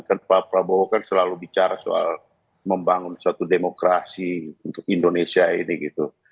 kan pak prabowo kan selalu bicara soal membangun suatu demokrasi untuk indonesia ini gitu